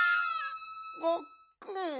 ごっくん。